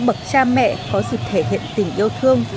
bậc cha mẹ có dịp thể hiện tình yêu thương